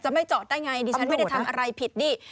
ไม่จอดได้ไงดิฉันไม่ได้ทำอะไรผิดนี่